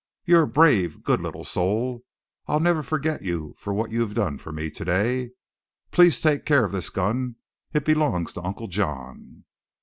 You're a brave, good little soul, I'll never forget you for what you've done for me today. Please take care of this gun it belongs to Uncle John."